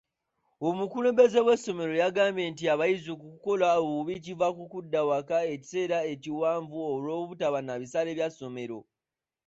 Omukulembeze w'essomero yagambye nti abayizi okusoma obubi kiva ku kudda waka ekiseera ekiwanvu olw'obutaba na bisale bya ssomero.